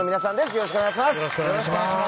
よろしくお願いします。